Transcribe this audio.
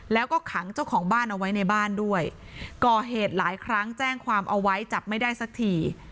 แล้วก็ขังเจ้าของบ้านเอาไว้ในบ้านด้วยก่อเหตุหลายครั้งแจ้งความเอาไว้จับไม่ได้สักที